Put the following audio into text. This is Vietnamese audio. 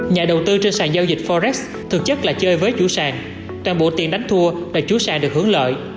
nhà đầu tư trên sàn giao dịch forex thực chất là chơi với chú sàn trang bộ tiền đánh thua để chú sàn được hướng lợi